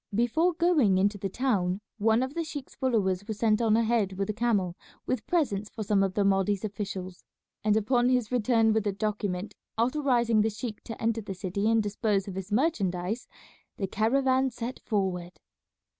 Before going into the town one of the sheik's followers was sent on ahead with a camel with presents for some of the Mahdi's officials, and upon his return with a document authorizing the sheik to enter the city and dispose of his merchandise the caravan set forward.